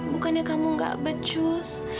bukannya kamu gak becus